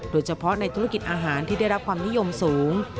โดยเฉพาะในธุรกิจอาหารที่ได้รับความนิยมสูง